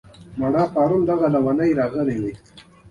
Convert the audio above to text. د چټک انټرنیټ لپاره فایبر آپټیک غوره دی.